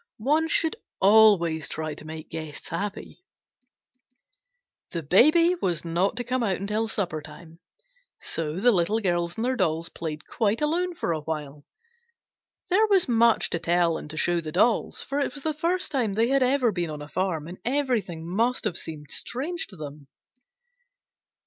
One should always try to make guests happy. The Baby was not to come out until supper time, so the Little Girls and their dolls played quite alone for a while. There was much to tell and to show the dolls, for it was the first time they had ever been on a farm, and everything must have seemed strange to them.